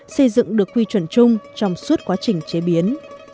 xây dựng được quy chuẩn chung trong suốt quá trình chế biến